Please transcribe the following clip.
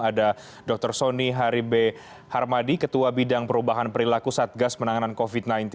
ada dr sony haribe harmadi ketua bidang perubahan perilaku satgas penanganan covid sembilan belas